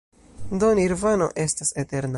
Do Nirvano estas eterna.